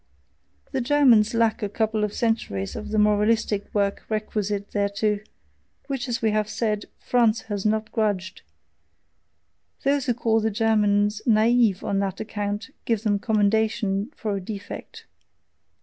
The Germans lack a couple of centuries of the moralistic work requisite thereto, which, as we have said, France has not grudged: those who call the Germans "naive" on that account give them commendation for a defect.